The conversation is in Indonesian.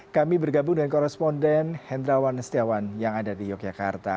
kami bergabung dengan koresponden hendrawan setiawan yang ada di yogyakarta